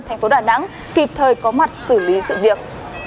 thành phố đà nẵng kịp thời có mặt xử lý sự việc